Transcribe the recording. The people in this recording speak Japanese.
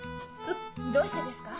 どうしてですか？